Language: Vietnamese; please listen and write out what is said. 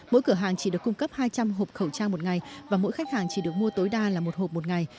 mỗi cửa hàng chỉ được cung cấp hai trăm linh hộp khẩu trang một ngày và mỗi khách hàng chỉ được mua tối đa là một hộp một ngày